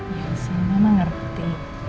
iya sih mama ngerti